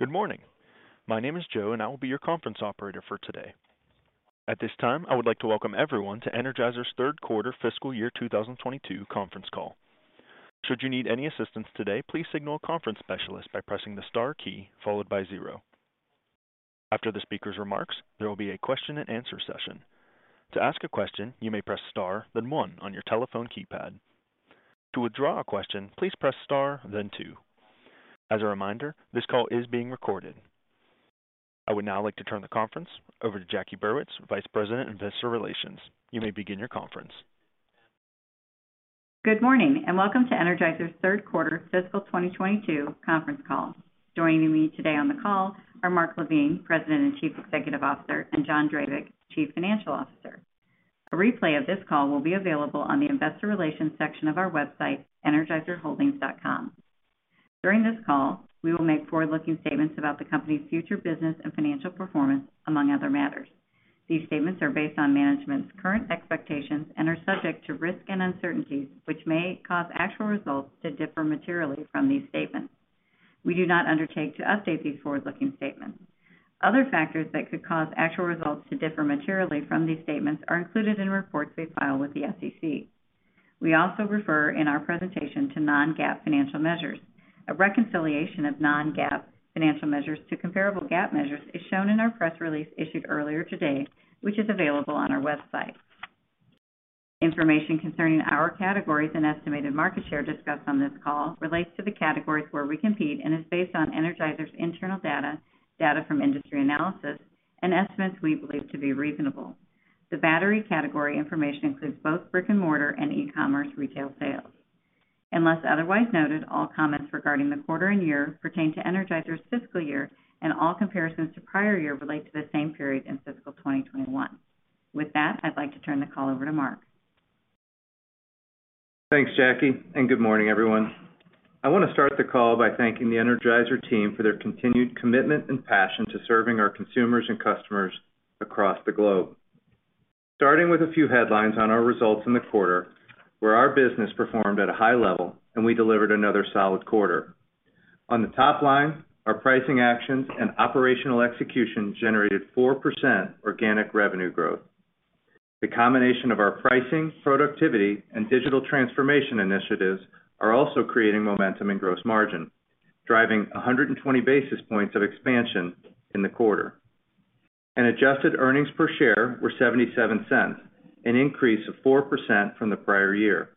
Good morning. My name is Joe and I will be your conference operator for today. At this time, I would like to welcome everyone to Energizer's third quarter fiscal year 2022 conference call. Should you need any assistance today, please signal a conference specialist by pressing the star key followed by zero. After the speaker's remarks, there will be a question and answer session. To ask a question, you may press star, then one on your telephone keypad. To withdraw a question, please press star, then two. As a reminder, this call is being recorded. I would now like to turn the conference over to Jacqueline Burwitz, Vice President of Investor Relations. You may begin your conference. Good morning and welcome to Energizer's third quarter fiscal 2022 conference call. Joining me today on the call are Mark LaVigne, President and Chief Executive Officer and John Drabik, Chief Financial Officer. A replay of this call will be available on the investor relations section of our website, energizerholdings.com. During this call, we will make forward-looking statements about the company's future business and financial performance, among other matters. These statements are based on management's current expectations and are subject to risks and uncertainties, which may cause actual results to differ materially from these statements. We do not undertake to update these forward-looking statements. Other factors that could cause actual results to differ materially from these statements are included in reports we file with the SEC. We also refer in our presentation to non-GAAP financial measures. A reconciliation of non-GAAP financial measures to comparable GAAP measures is shown in our press release issued earlier today, which is available on our website. Information concerning our categories and estimated market share discussed on this call relates to the categories where we compete and is based on Energizer's internal data from industry analysis and estimates we believe to be reasonable. The battery category information includes both brick-and-mortar and e-commerce retail sales. Unless otherwise noted, all comments regarding the quarter and year pertain to Energizer's fiscal year, and all comparisons to prior year relate to the same period in fiscal 2021. With that, I'd like to turn the call over to Mark. Thanks, Jackie and good morning, everyone. I want to start the call by thanking the Energizer team for their continued commitment and passion to serving our consumers and customers across the globe. Starting with a few headlines on our results in the quarter, where our business performed at a high level and we delivered another solid quarter. On the top line, our pricing actions and operational execution generated 4% organic revenue growth. The combination of our pricing, productivity, and digital transformation initiatives are also creating momentum in gross margin, driving 120 basis points of expansion in the quarter. Adjusted earnings per share were $0.77, an increase of 4% from the prior year.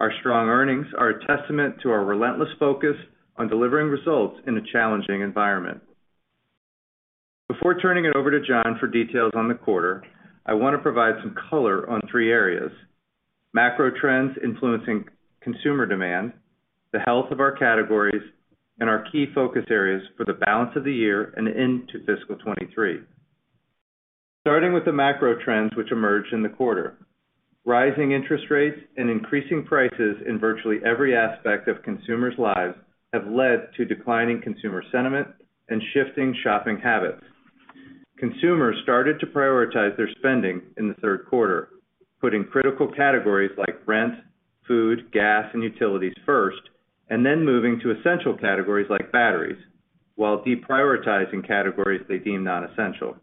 Our strong earnings are a testament to our relentless focus on delivering results in a challenging environment. Before turning it over to John for details on the quarter, I want to provide some color on three areas, macro trends influencing consumer demand, the health of our categories, and our key focus areas for the balance of the year and into fiscal 2023. Starting with the macro trends which emerged in the quarter. Rising interest rates and increasing prices in virtually every aspect of consumers' lives have led to declining consumer sentiment and shifting shopping habits. Consumers started to prioritize their spending in the third quarter, putting critical categories like rent, food, gas, and utilities first, and then moving to essential categories like batteries, while deprioritizing categories they deem non-essential.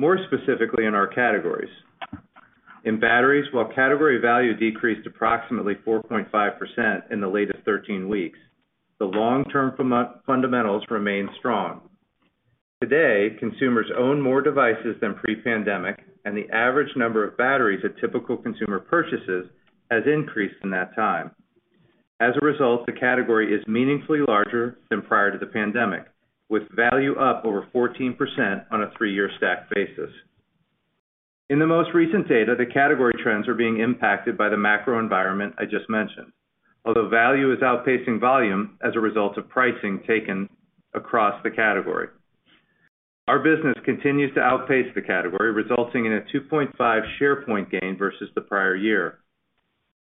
More specifically in our categories. In batteries, while category value decreased approximately 4.5% in the latest 13 weeks, the long-term fundamentals remain strong. Today, consumers own more devices than pre-pandemic, and the average number of batteries a typical consumer purchases has increased in that time. As a result, the category is meaningfully larger than prior to the pandemic, with value up over 14% on a three-year stacked basis. In the most recent data, the category trends are being impacted by the macro environment I just mentioned, although value is outpacing volume as a result of pricing taken across the category. Our business continues to outpace the category, resulting in a 2.5 share point gain versus the prior year.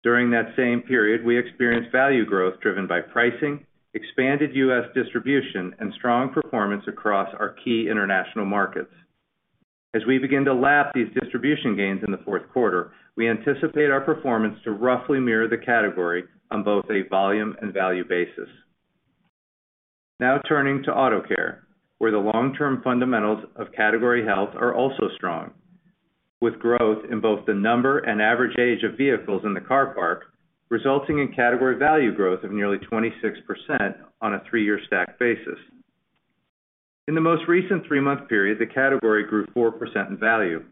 During that same period, we experienced value growth driven by pricing, expanded U.S. distribution, and strong performance across our key international markets. As we begin to lap these distribution gains in the fourth quarter, we anticipate our performance to roughly mirror the category on both a volume and value basis. Now turning to Auto Care, where the long-term fundamentals of category health are also strong, with growth in both the number and average age of vehicles in the car park, resulting in category value growth of nearly 26% on a three-year stacked basis. In the most recent three-month period, the category grew 4% in value,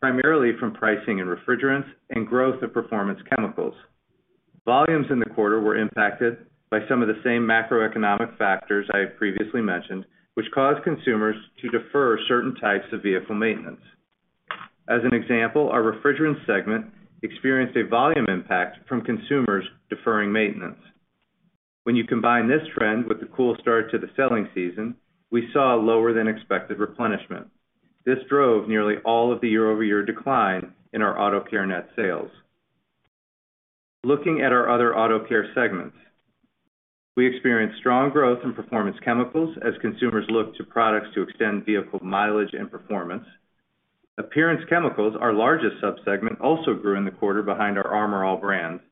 primarily from pricing in refrigerants and growth of performance chemicals. Volumes in the quarter were impacted by some of the same macroeconomic factors I had previously mentioned, which caused consumers to defer certain types of vehicle maintenance. As an example, our refrigerant segment experienced a volume impact from consumers deferring maintenance. When you combine this trend with the cool start to the selling season, we saw a lower than expected replenishment. This drove nearly all of the year-over-year decline in our Auto Care net sales. Looking at our other Auto Care segments. We experienced strong growth in performance chemicals as consumers look to products to extend vehicle mileage and performance. Appearance chemicals, our largest subsegment, also grew in the quarter behind our Armor All brands.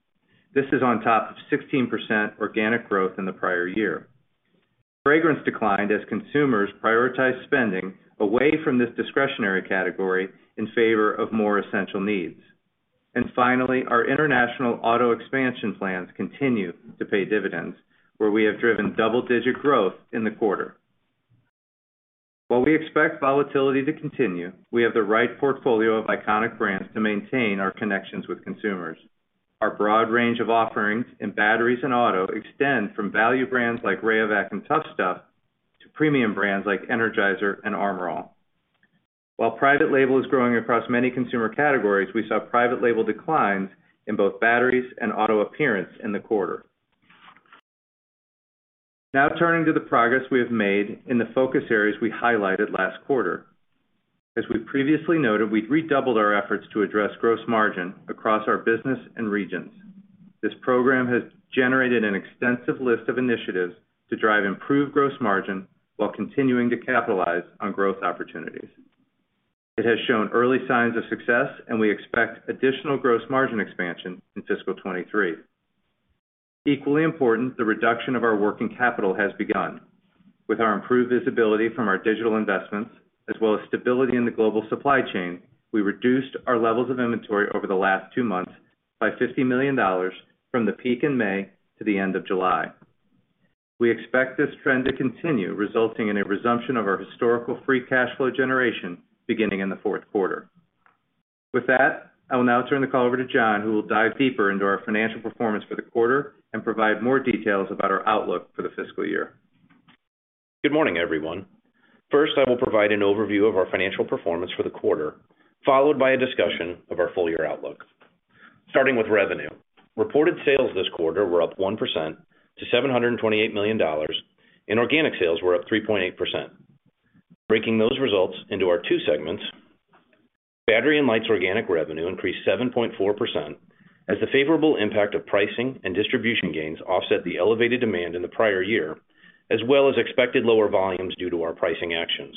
This is on top of 16% organic growth in the prior year. Fragrance declined as consumers prioritized spending away from this discretionary category in favor of more essential needs. Finally, our international auto expansion plans continue to pay dividends, where we have driven double-digit growth in the quarter. While we expect volatility to continue, we have the right portfolio of iconic brands to maintain our connections with consumers. Our broad range of offerings in batteries and auto extend from value brands like Rayovac and Tuff Stuff to premium brands like Energizer and Armor All. While private label is growing across many consumer categories, we saw private label declines in both batteries and auto appearance in the quarter. Now turning to the progress we have made in the focus areas we highlighted last quarter. As we previously noted, we've redoubled our efforts to address gross margin across our business and regions. This program has generated an extensive list of initiatives to drive improved gross margin while continuing to capitalize on growth opportunities. It has shown early signs of success, and we expect additional gross margin expansion in fiscal 2023. Equally important, the reduction of our working capital has begun. With our improved visibility from our digital investments, as well as stability in the global supply chain, we reduced our levels of inventory over the last two months by $50 million from the peak in May to the end of July. We expect this trend to continue, resulting in a resumption of our historical free cash flow generation beginning in the fourth quarter. With that, I will now turn the call over to John, who will dive deeper into our financial performance for the quarter and provide more details about our outlook for the fiscal year. Good morning, everyone. First, I will provide an overview of our financial performance for the quarter, followed by a discussion of our full-year outlook. Starting with revenue, reported sales this quarter were up 1% to $728 million and organic sales were up 3.8%. Breaking those results into our two segments, Battery and Lights organic revenue increased 7.4% as the favorable impact of pricing and distribution gains offset the elevated demand in the prior year, as well as expected lower volumes due to our pricing actions.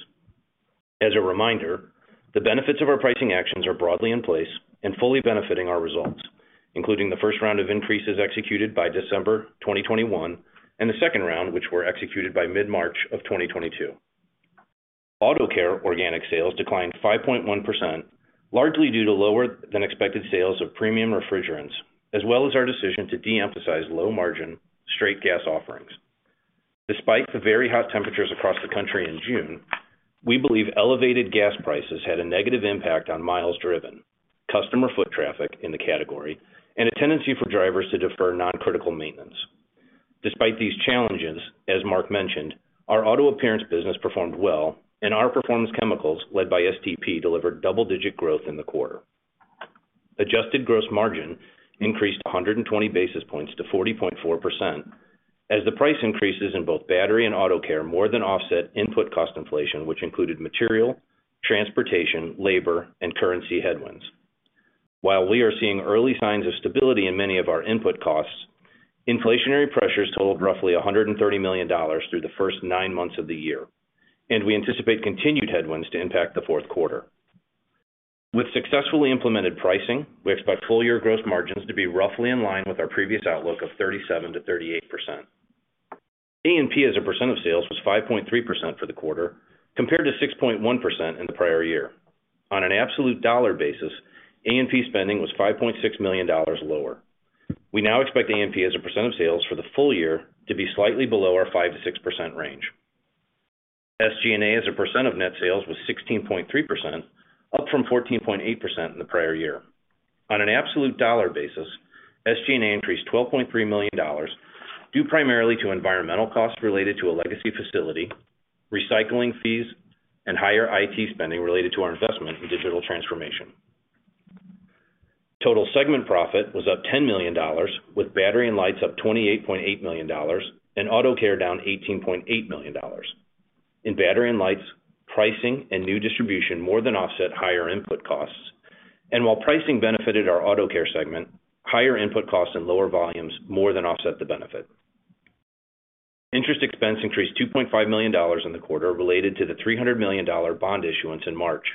As a reminder, the benefits of our pricing actions are broadly in place and fully benefiting our results, including the first round of increases executed by December 2021 and the second round, which were executed by mid-March of 2022. Auto Care organic sales declined 5.1%, largely due to lower-than-expected sales of premium refrigerants, as well as our decision to de-emphasize low-margin straight gas offerings. Despite the very hot temperatures across the country in June, we believe elevated gas prices had a negative impact on miles driven, customer foot traffic in the category and a tendency for drivers to defer non-critical maintenance. Despite these challenges, as Mark mentioned, our auto appearance business performed well, and our performance chemicals, led by STP, delivered double-digit growth in the quarter. Adjusted gross margin increased 120 basis points to 40.4% as the price increases in both battery and Auto Care more than offset input cost inflation, which included material, transportation, labor and currency headwinds. While we are seeing early signs of stability in many of our input costs, inflationary pressures totaled roughly $130 million through the first nine months of the year, and we anticipate continued headwinds to impact the fourth quarter. With successfully implemented pricing, we expect full-year gross margins to be roughly in line with our previous outlook of 37%-38%. A&P as a percent of sales was 5.3% for the quarter, compared to 6.1% in the prior year. On an absolute dollar basis, A&P spending was $5.6 million lower. We now expect A&P as a percent of sales for the full year to be slightly below our 5%-6% range. SG&A as a percent of net sales was 16.3%, up from 14.8% in the prior year. On an absolute dollar basis, SG&A increased $12.3 million, due primarily to environmental costs related to a legacy facility, recycling fees, and higher IT spending related to our investment in digital transformation. Total segment profit was up $10 million, with Battery & Lights up $28.8 million and Auto Care down $18.8 million. In Battery & Lights, pricing and new distribution more than offset higher input costs. While pricing benefited our Auto Care segment, higher input costs and lower volumes more than offset the benefit. Interest expense increased $2.5 million in the quarter related to the $300 million bond issuance in March.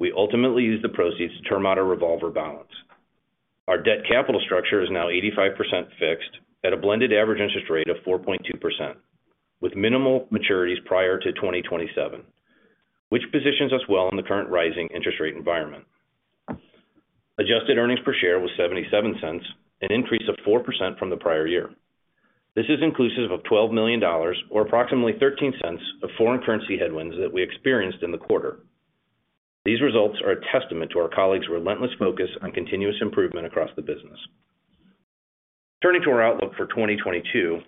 We ultimately used the proceeds to term out our revolver balance. Our debt capital structure is now 85% fixed at a blended average interest rate of 4.2%, with minimal maturities prior to 2027, which positions us well in the current rising interest rate environment. Adjusted earnings per share was $0.77, an increase of 4% from the prior year. This is inclusive of $12 million, or approximately $0.13 of foreign currency headwinds that we experienced in the quarter. These results are a testament to our colleagues' relentless focus on continuous improvement across the business. Turning to our outlook for 2022,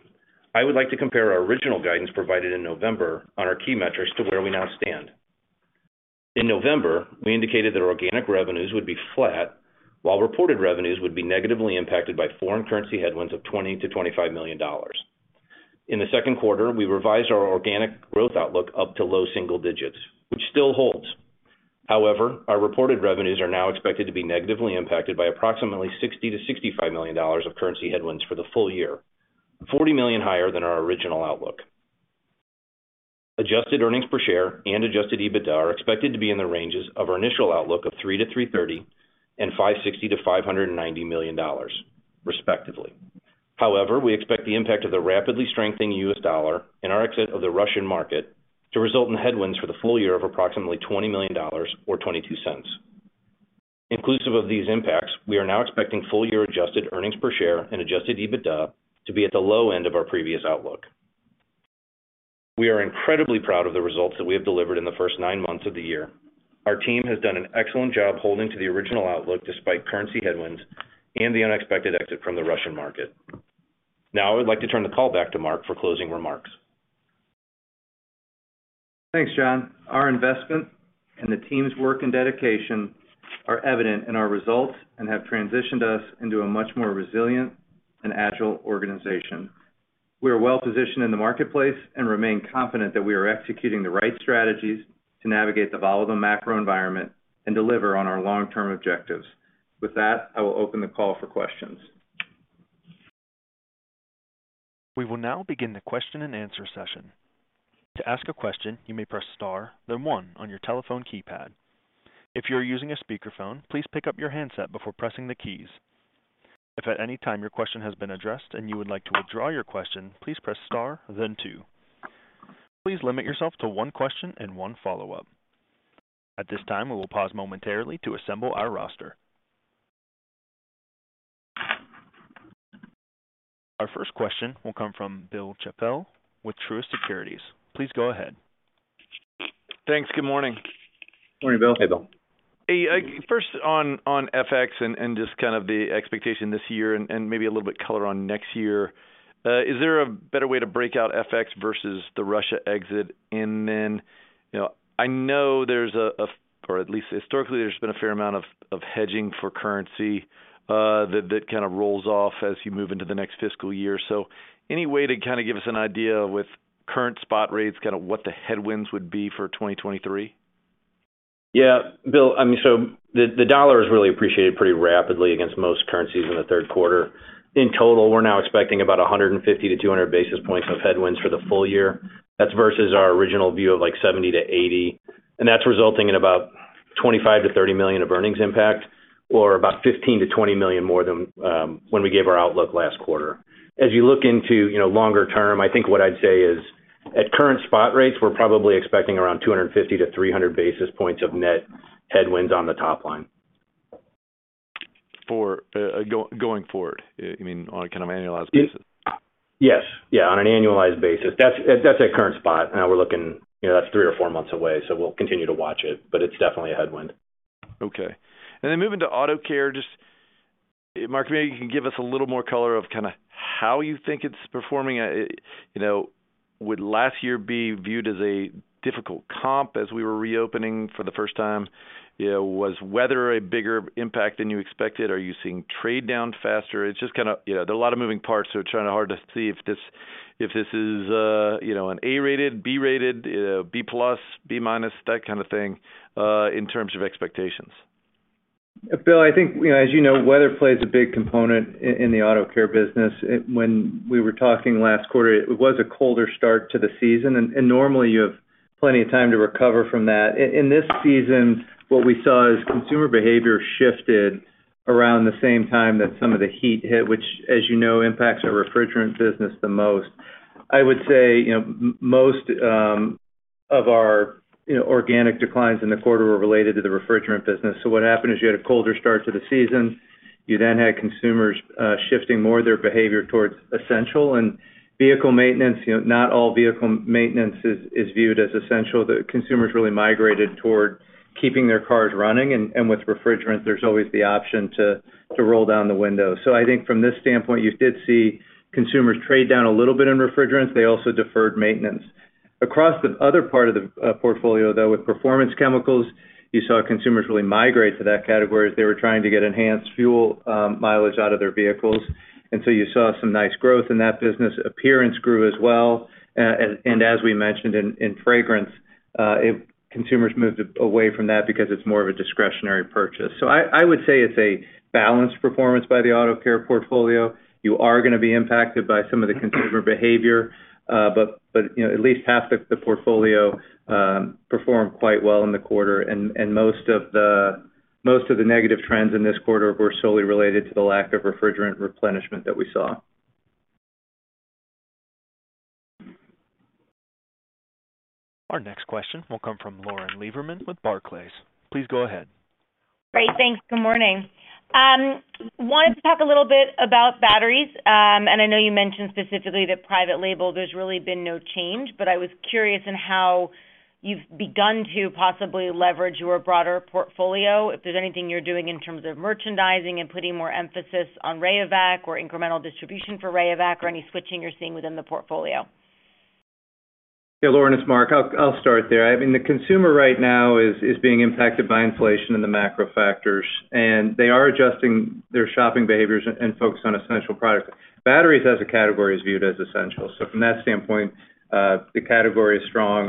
I would like to compare our original guidance provided in November on our key metrics to where we now stand. In November, we indicated that organic revenues would be flat while reported revenues would be negatively impacted by foreign currency headwinds of $20 million-$25 million. In the second quarter, we revised our organic growth outlook up to low single digits, which still holds. However, our reported revenues are now expected to be negatively impacted by approximately $60 million-$65 million of currency headwinds for the full year. $40 million higher than our original outlook. Adjusted earnings per share and adjusted EBITDA are expected to be in the ranges of our initial outlook of $3.00-$3.30 and $560 million-$590 million respectively. However, we expect the impact of the rapidly strengthening U.S. dollar and our exit of the Russian market to result in headwinds for the full year of approximately $20 million or $0.22. Inclusive of these impacts, we are now expecting full year adjusted earnings per share and adjusted EBITDA to be at the low end of our previous outlook. We are incredibly proud of the results that we have delivered in the first nine months of the year. Our team has done an excellent job holding to the original outlook despite currency headwinds and the unexpected exit from the Russian market. Now, I would like to turn the call back to Mark for closing remarks. Thanks, John. Our investment and the team's work and dedication are evident in our results and have transitioned us into a much more resilient and agile organization. We are well positioned in the marketplace and remain confident that we are executing the right strategies to navigate the volatile macro environment and deliver on our long-term objectives. With that, I will open the call for questions. We will now begin the question-and-answer session. To ask a question, you may press star, then one on your telephone keypad. If you're using a speakerphone, please pick up your handset before pressing the keys. If at any time your question has been addressed and you would like to withdraw your question, please press star then two. Please limit yourself to one question and one follow-up. At this time, we will pause momentarily to assemble our roster. Our first question will come from Bill Chappell with Truist Securities. Please go ahead. Thanks. Good morning. Morning, Bill. Hey, Bill. Hey, first on FX and just kind of the expectation this year and maybe a little bit color on next year. Is there a better way to break out FX versus the Russia exit? You know, I know, or at least historically, there's been a fair amount of hedging for currency that kind of rolls off as you move into the next fiscal year. Any way to kind of give us an idea with current spot rates, kind of what the headwinds would be for 2023? Yeah, Bill, I mean, the dollar has really appreciated pretty rapidly against most currencies in the third quarter. In total, we're now expecting about 150-200 basis points of headwinds for the full year. That's versus our original view of, like, 70-80 basis points, and that's resulting in about $25 million-$30 million of earnings impact or about $15 million-$20 million more than when we gave our outlook last quarter. As you look into, you know, longer term, I think what I'd say is, at current spot rates, we're probably expecting around 250-300 basis points of net headwinds on the top line. For going forward, you mean on a kind of annualized basis? Yes. Yeah, on an annualized basis. That's at current spot. Now we're looking, you know, that's three or four months away, so we'll continue to watch it, but it's definitely a headwind. Okay. Moving to Auto Care, just Mark, maybe you can give us a little more color of kinda how you think it's performing. You know, would last year be viewed as a difficult comp as we were reopening for the first time? You know, was weather a bigger impact than you expected? Are you seeing trade down faster? It's just kinda, you know, there are a lot of moving parts, so trying hard to see if this is, you know, an A-rated, B-rated, B+, B-, that kind of thing, in terms of expectations. Bill, I think, you know, as you know, weather plays a big component in the Auto Care business. When we were talking last quarter, it was a colder start to the season, and normally you have plenty of time to recover from that. In this season, what we saw is consumer behavior shifted around the same time that some of the heat hit, which, as you know, impacts our refrigerant business the most. I would say, you know, most of our, you know, organic declines in the quarter were related to the refrigerant business. What happened is you had a colder start to the season. You then had consumers shifting more of their behavior towards essential and vehicle maintenance. You know, not all vehicle maintenance is viewed as essential. The consumers really migrated toward keeping their cars running. With refrigerant, there's always the option to roll down the window. I think from this standpoint, you did see consumers trade down a little bit in refrigerants. They also deferred maintenance. Across the other part of the portfolio, though, with performance chemicals, you saw consumers really migrate to that category as they were trying to get enhanced fuel mileage out of their vehicles. You saw some nice growth in that business. Appearance grew as well. As we mentioned in fragrance, consumers moved away from that because it's more of a discretionary purchase. I would say it's a balanced performance by the Auto Care portfolio. You are gonna be impacted by some of the consumer behavior, but you know, at least half the portfolio performed quite well in the quarter. Most of the negative trends in this quarter were solely related to the lack of refrigerant replenishment that we saw. Our next question will come from Lauren Lieberman with Barclays. Please go ahead. Great. Thanks. Good morning. Wanted to talk a little bit about batteries. I know you mentioned specifically the private label, there's really been no change. I was curious in how you've begun to possibly leverage your broader portfolio, if there's anything you're doing in terms of merchandising and putting more emphasis on Rayovac or incremental distribution for Rayovac or any switching you're seeing within the portfolio. Yeah, Lauren, it's Mark. I'll start there. I mean, the consumer right now is being impacted by inflation and the macro factors, and they are adjusting their shopping behaviors and focusing on essential products. Batteries as a category is viewed as essential. From that standpoint, the category is strong.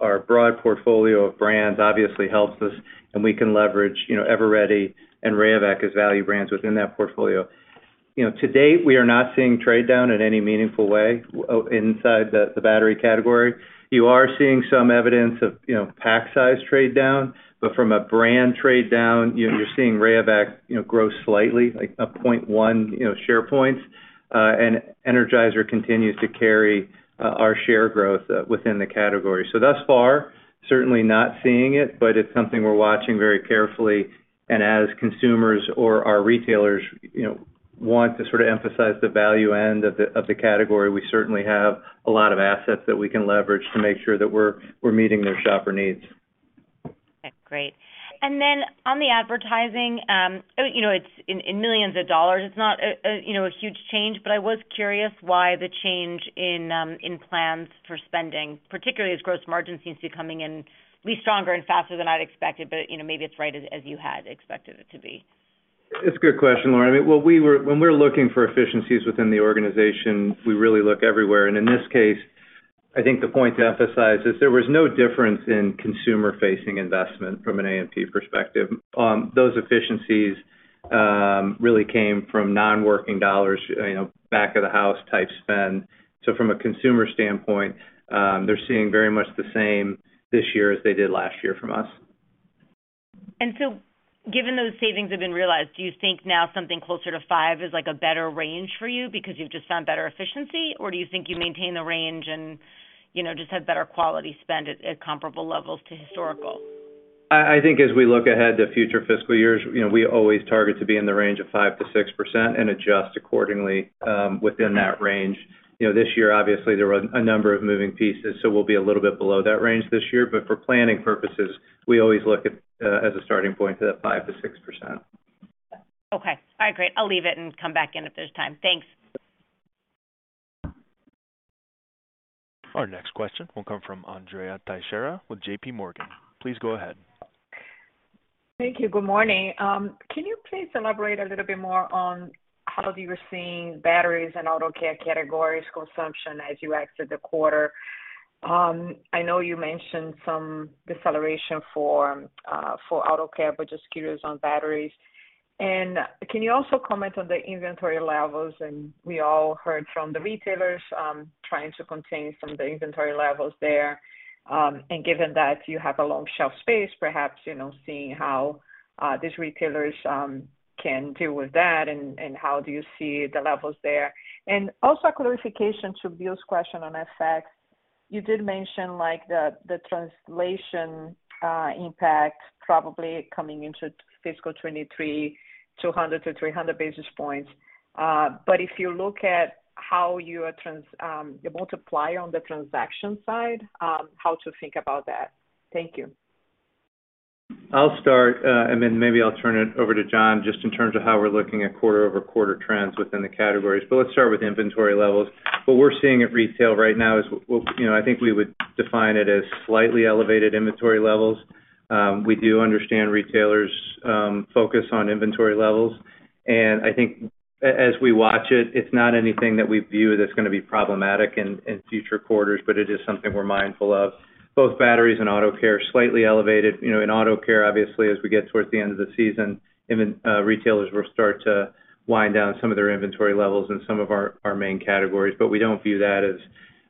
Our broad portfolio of brands obviously helps us, and we can leverage, you know, Eveready and Rayovac as value brands within that portfolio. You know, to date, we are not seeing trade down in any meaningful way inside the battery category. You are seeing some evidence of, you know, pack size trade down. From a brand trade down, you're seeing Rayovac, you know, grow slightly, like 0.1 share points. And Energizer continues to carry our share growth within the category. Thus far, certainly not seeing it, but it's something we're watching very carefully. As consumers and our retailers, you know, want to sort of emphasize the value end of the category, we certainly have a lot of assets that we can leverage to make sure that we're meeting their shopper needs. Okay, great. Then on the advertising, you know, it's in millions of dollars, it's not you know, a huge change, but I was curious why the change in plans for spending, particularly as gross margin seems to be coming in, at least stronger and faster than I'd expected, but, you know, maybe it's right as you had expected it to be. It's a good question, Lauren. Well, when we're looking for efficiencies within the organization, we really look everywhere. In this case, I think the point to emphasize is there was no difference in consumer-facing investment from an A&P perspective. Those efficiencies really came from non-working dollars, you know, back of the house type spend. From a consumer standpoint, they're seeing very much the same this year as they did last year from us. Given those savings have been realized, do you think now something closer to five is like a better range for you because you've just found better efficiency? Or do you think you maintain the range and, you know, just have better quality spend at comparable levels to historical? I think as we look ahead to future fiscal years, you know, we always target to be in the range of 5%-6% and adjust accordingly within that range. You know, this year, obviously, there were a number of moving pieces, so we'll be a little bit below that range this year. For planning purposes, we always look at, as a starting point to that 5%-6%. Okay. All right, great. I'll leave it and come back in if there's time. Thanks. Our next question will come from Andrea Teixeira with JP Morgan. Please go ahead. Thank you. Good morning. Can you please elaborate a little bit more on how you were seeing batteries and Auto Care categories consumption as you exit the quarter? I know you mentioned some deceleration for Auto Care, but just curious on batteries. Can you also comment on the inventory levels? We all heard from the retailers trying to contain some of the inventory levels there. Given that you have a long shelf life, perhaps, you know, seeing how these retailers can deal with that, and how do you see the levels there? Also clarification to Bill's question on FX. You did mention like the translation impact probably coming into fiscal 2023, 200-300 basis points. If you look at the multiplier on the transaction side, how to think about that? Thank you. I'll start and then maybe I'll turn it over to John, just in terms of how we're looking at quarter-over-quarter trends within the categories. Let's start with inventory levels. What we're seeing at retail right now is, you know, I think we would define it as slightly elevated inventory levels. We do understand retailers focus on inventory levels. I think as we watch it's not anything that we view that's gonna be problematic in future quarters, but it is something we're mindful of. Both batteries and Auto Care, slightly elevated. You know, in Auto Care, obviously, as we get towards the end of the season, retailers will start to wind down some of their inventory levels in some of our main categories. We don't view that as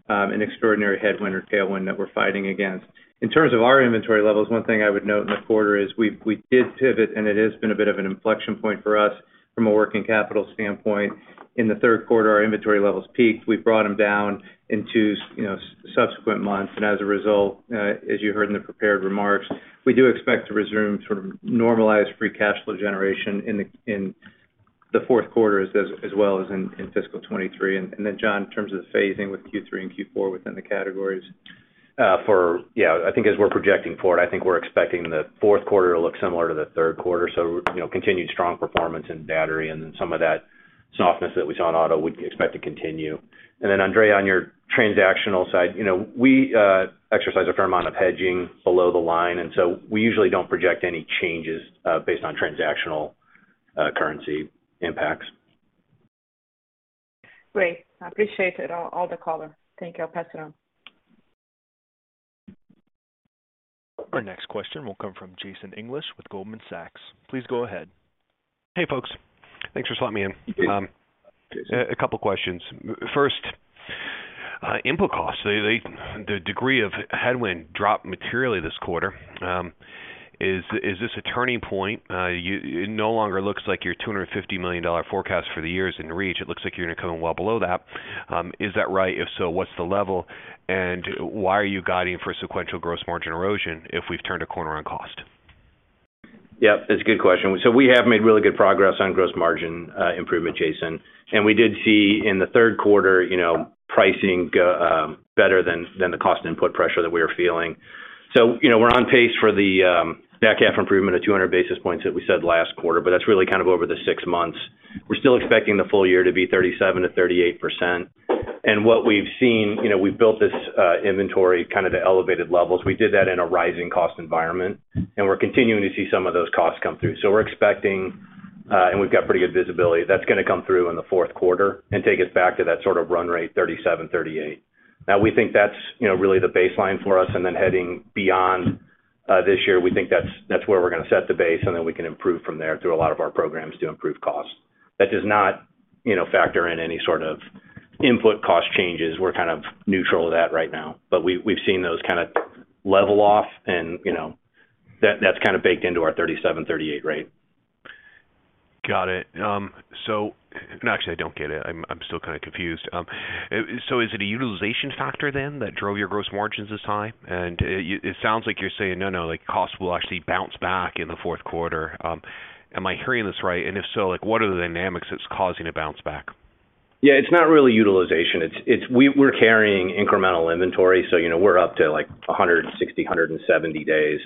an extraordinary headwind or tailwind that we're fighting against. In terms of our inventory levels, one thing I would note in the quarter is we did pivot and it has been a bit of an inflection point for us from a working capital standpoint. In the third quarter, our inventory levels peaked. We brought them down in two, you know, subsequent months. As a result, as you heard in the prepared remarks, we do expect to resume sort of normalized free cash flow generation in the fourth quarter as well as in fiscal 2023. John, in terms of the phasing with Q3 and Q4 within the categories. I think as we're projecting forward, I think we're expecting the fourth quarter to look similar to the third quarter. You know, continued strong performance in battery and then some of that softness that we saw in auto, we expect to continue. And Andrea, on your transactional side, you know, we exercise a fair amount of hedging below the line and so we usually don't project any changes based on transactional currency impacts. Great. I appreciate it, all the color. Thank you. I'll pass it on. Our next question will come from Jason English with Goldman Sachs. Please go ahead. Hey, folks. Thanks for slotting me in. Yeah. A couple of questions. First, input costs. The degree of headwind dropped materially this quarter. Is this a turning point? It no longer looks like your $250 million forecast for the year is in reach. It looks like you're gonna come in well below that. Is that right? If so, what's the level? And why are you guiding for sequential gross margin erosion if we've turned a corner on cost? Yeah, it's a good question. We have made really good progress on gross margin improvement, Jason. We did see in the third quarter, you know, pricing go better than the cost input pressure that we were feeling. You know, we're on pace for that half improvement of 200 basis points that we said last quarter, but that's really kind of over the six months. We're still expecting the full year to be 37%-38%. What we've seen, you know, we've built this inventory kind of the elevated levels. We did that in a rising cost environment, and we're continuing to see some of those costs come through. We're expecting We've got pretty good visibility. That's gonna come through in the fourth quarter and take us back to that sort of run rate 37%-38%. Now we think that's, you know, really the baseline for us, and then heading beyond this year, we think that's where we're gonna set the base, and then we can improve from there through a lot of our programs to improve costs. That does not, you know, factor in any sort of input cost changes. We're kind of neutral with that right now. But we've seen those kinda level off and, you know, that's kinda baked into our 37%-38% rate. Got it. No, actually I don't get it. I'm still kinda confused. Is it a utilization factor then that drove your gross margins this high? It sounds like you're saying, "No, no, like costs will actually bounce back in the fourth quarter." Am I hearing this right? If so, like, what are the dynamics that's causing a bounce back? Yeah, it's not really utilization. It's we're carrying incremental inventory, so, you know, we're up to, like, 160-170 days.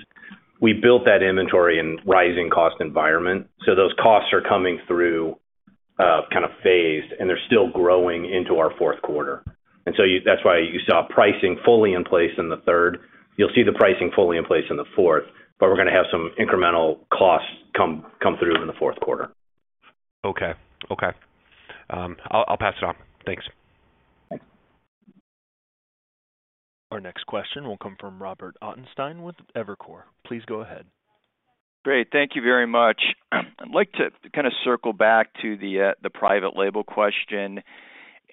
We built that inventory in rising cost environment, so those costs are coming through, kind of phased, and they're still growing into our fourth quarter. That's why you saw pricing fully in place in the third. You'll see the pricing fully in place in the fourth, but we're gonna have some incremental costs come through in the fourth quarter. Okay. I'll pass it on. Thanks. Thanks. Our next question will come from Robert Ottenstein with Evercore. Please go ahead. Great. Thank you very much. I'd like to kind of circle back to the private label question.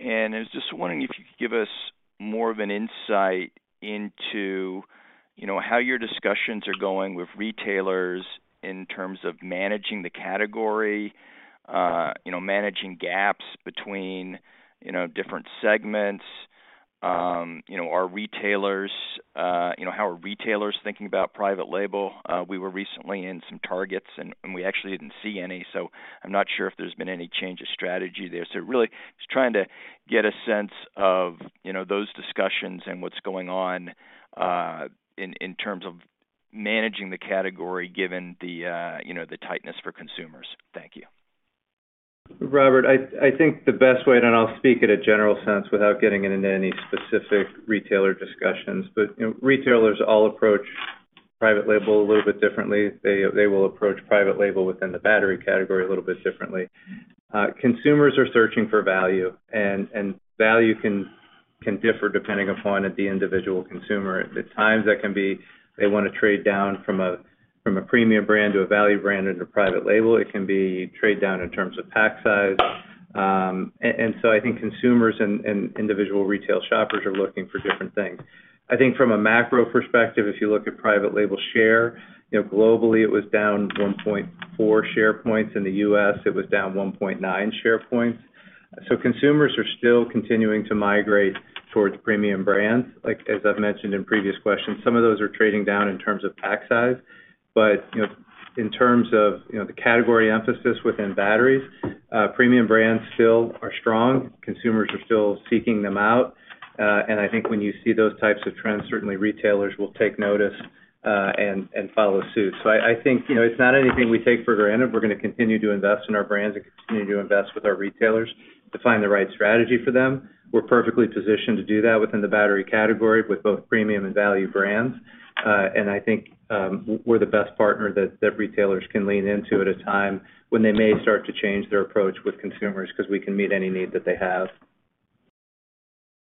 I was just wondering if you could give us more of an insight into, you know, how your discussions are going with retailers in terms of managing the category, you know, managing gaps between, you know, different segments. You know, are retailers, you know, how are retailers thinking about private label? We were recently in some Targets and we actually didn't see any, so I'm not sure if there's been any change of strategy there. Really just trying to get a sense of, you know, those discussions and what's going on, in terms of managing the category given the, you know, the tightness for consumers. Thank you. Robert, I think the best way, and I'll speak in a general sense without getting into any specific retailer discussions. You know, retailers all approach private label a little bit differently. They will approach private label within the battery category a little bit differently. Consumers are searching for value, and value can differ depending upon the individual consumer. At times that can be they wanna trade down from a premium brand to a value brand or to private label. It can be trade down in terms of pack size. And so I think consumers and individual retail shoppers are looking for different things. I think from a macro perspective, if you look at private label share, you know, globally, it was down 1.4 share points. In the U.S., it was down 1.9 share points. Consumers are still continuing to migrate towards premium brands. Like, as I've mentioned in previous questions, some of those are trading down in terms of pack size. But, you know, in terms of, you know, the category emphasis within batteries, premium brands still are strong. Consumers are still seeking them out. I think when you see those types of trends, certainly retailers will take notice, and follow suit. I think, you know, it's not anything we take for granted. We're gonna continue to invest in our brands and continue to invest with our retailers to find the right strategy for them. We're perfectly positioned to do that within the battery category with both premium and value brands. I think we're the best partner that retailers can lean into at a time when they may start to change their approach with consumers, because we can meet any need that they have.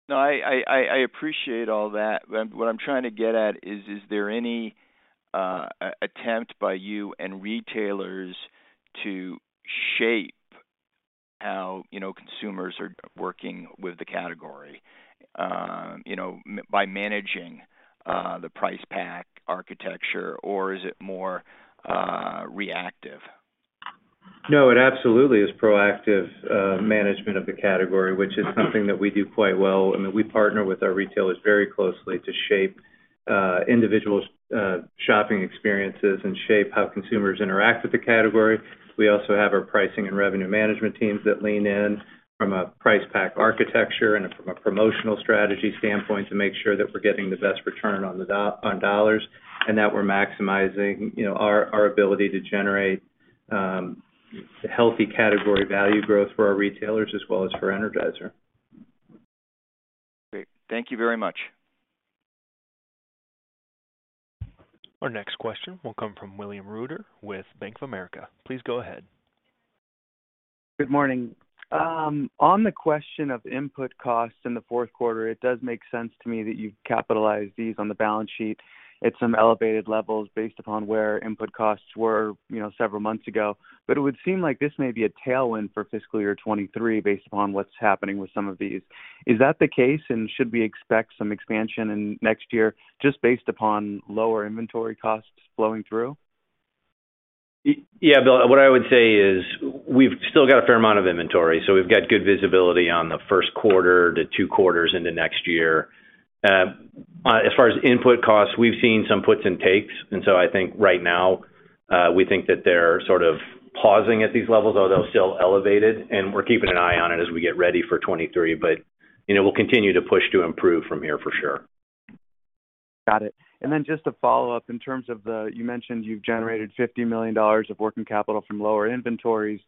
No, I appreciate all that. What I'm trying to get at is there any attempt by you and retailers to shape how, you know, consumers are working with the category, you know, by managing the price pack architecture or is it more reactive? No, it absolutely is proactive management of the category, which is something that we do quite well. I mean, we partner with our retailers very closely to shape individual shopping experiences and shape how consumers interact with the category. We also have our pricing and revenue management teams that lean in from a price pack architecture and from a promotional strategy standpoint to make sure that we're getting the best return on the dollars and that we're maximizing, you know, our ability to generate healthy category value growth for our retailers as well as for Energizer. Great. Thank you very much. Our next question will come from William Reuter with Bank of America. Please go ahead. Good morning. On the question of input costs in the fourth quarter, it does make sense to me that you capitalize these on the balance sheet at some elevated levels based upon where input costs were, you know, several months ago. It would seem like this may be a tailwind for fiscal year 2023, based upon what's happening with some of these. Is that the case, and should we expect some expansion in next year, just based upon lower inventory costs flowing through? Yeah, Bill, what I would say is we've still got a fair amount of inventory, so we've got good visibility on the first quarter to two quarters into next year. As far as input costs, we've seen some puts and takes, and so I think right now, we think that they're sort of pausing at these levels, although still elevated and we're keeping an eye on it as we get ready for 2023. You know, we'll continue to push to improve from here for sure. Got it. Just to follow up, in terms of the, you mentioned you've generated $50 million of working capital from lower inventories.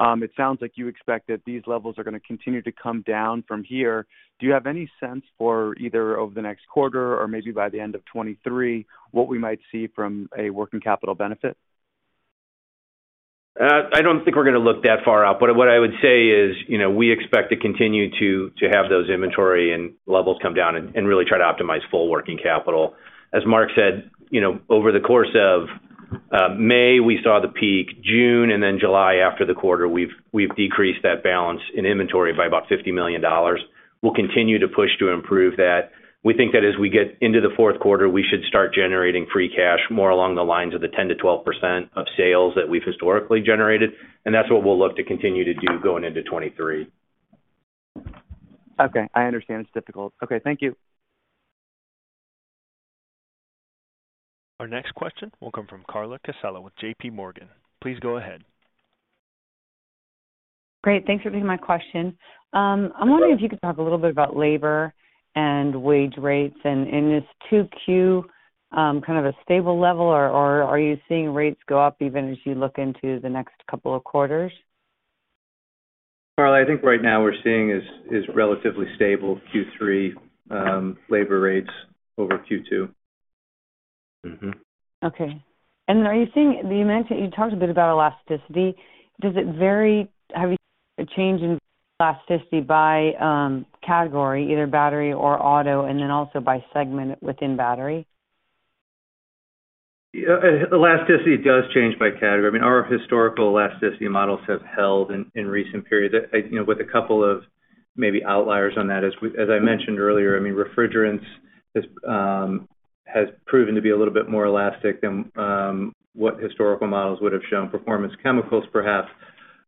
It sounds like you expect that these levels are gonna continue to come down from here. Do you have any sense for either over the next quarter or maybe by the end of 2023, what we might see from a working capital benefit? I don't think we're gonna look that far out, but what I would say is, you know, we expect to continue to have those inventory and levels come down and really try to optimize full working capital. As Mark said, you know, over the course of May, we saw the peak. June and then July after the quarter, we've decreased that balance in inventory by about $50 million. We'll continue to push to improve that. We think that as we get into the fourth quarter, we should start generating free cash more along the lines of the 10%-12% of sales that we've historically generated and that's what we'll look to continue to do going into 2023. Okay. I understand it's difficult. Okay, thank you. Our next question will come from Carla Casella with JP Morgan. Please go ahead. Great. Thanks for taking my question. I'm wondering if you could talk a little bit about labor and wage rates. In this 2Q, kind of a stable level, or are you seeing rates go up even as you look into the next couple of quarters? Carla, I think right now what we're seeing is relatively stable Q3 labor rates over Q2. Okay. Are you seeing? You talked a bit about elasticity. Does it vary? Have you seen a change in elasticity by category, either battery or auto, and then also by segment within battery? Yeah, elasticity does change by category. I mean, our historical elasticity models have held in recent periods. You know, with a couple of maybe outliers on that. As I mentioned earlier, I mean, refrigerants has proven to be a little bit more elastic than what historical models would have shown. Performance chemicals, perhaps,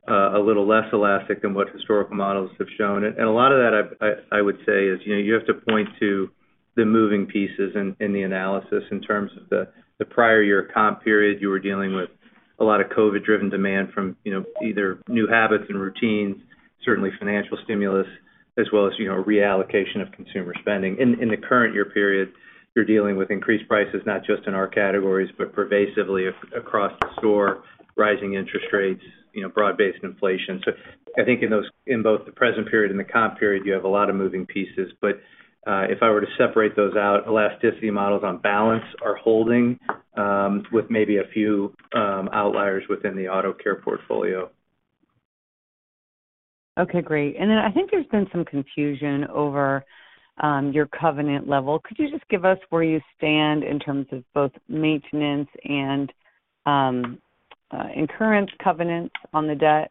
a little less elastic than what historical models have shown. A lot of that I would say is, you know, you have to point to the moving pieces in the analysis in terms of the prior year comp period. You were dealing with a lot of COVID-driven demand from, you know, either new habits and routines, certainly financial stimulus, as well as, you know, reallocation of consumer spending. In the current year period, you're dealing with increased prices, not just in our categories, but pervasively across the store, rising interest rates, you know, broad-based inflation. I think in those, in both the present period and the comp period, you have a lot of moving pieces. If I were to separate those out, elasticity models on balance are holding, with maybe a few outliers within the auto care portfolio. Okay, great. I think there's been some confusion over your covenant level. Could you just give us where you stand in terms of both maintenance and incurrence covenants on the debt?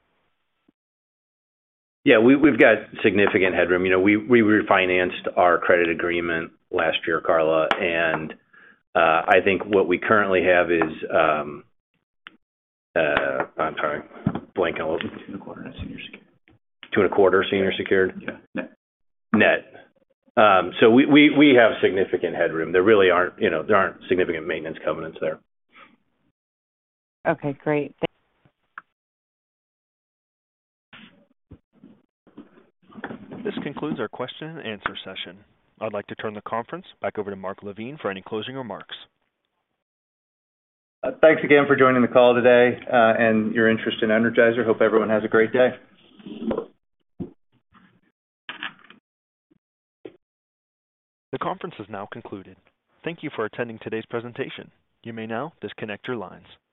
Yeah. We've got significant headroom. You know, we refinanced our credit agreement last year, Carla, and I'm sorry. Blanking a little. 2.25 senior secured. 2.25 senior secured? Yeah. Net. We have significant headroom. There really aren't, you know, significant maintenance covenants there. Okay, great. This concludes our question and answer session. I'd like to turn the conference back over to Mark LaVigne for any closing remarks. Thanks again for joining the call today, and your interest in Energizer. Hope everyone has a great day. The conference has now concluded. Thank you for attending today's presentation. You may now disconnect your lines.